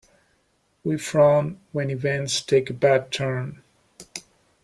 We frown when events take a bad turn.